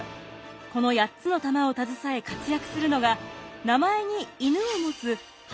この８つの珠を携え活躍するのが名前に「犬」を持つ８人の犬士たちです。